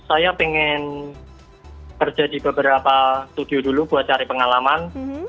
saya pengen kerja di beberapa studio dulu buat cari pengalaman